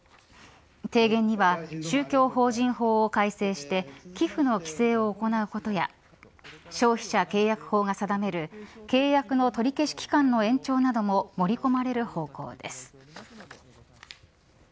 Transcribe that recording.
提言には宗教法人法を改正して寄付の規制を行うことや消費者契約法が定める契約の取り消し期間の延長なども盛り込まれる方向です。